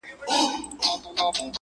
زموږه دوو زړونه دي تل په خندا ونڅيږي~